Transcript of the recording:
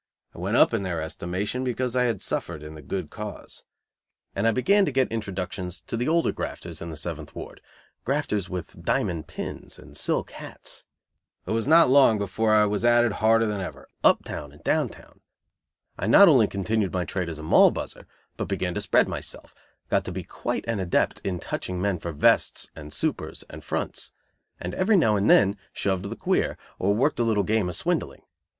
I went up in their estimation because I had suffered in the good cause. And I began to get introductions to the older grafters in the seventh ward grafters with diamond pins and silk hats. It was not long before I was at it harder than ever, uptown and downtown. I not only continued my trade as Moll buzzer, but began to spread myself, got to be quite an adept in touching men for vests and supers and fronts; and every now and then "shoved the queer" or worked a little game of swindling.